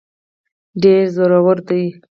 ډېر زورور دی.